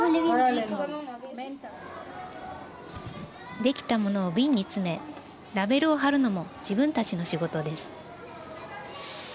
出来たものを瓶に詰めラベルを貼るのも自分たちの仕事です。